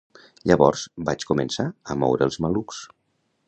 Llavors vaig començar a moure els malucs.